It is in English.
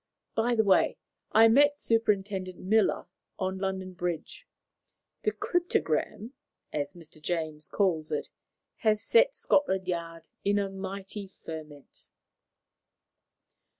By the way, I met Superintendent Miller on London Bridge. The 'cryptogram,' as Mr. James calls it, has set Scotland Yard in a mighty ferment."